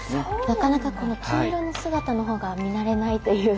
なかなかこの金色の姿の方が見慣れないという。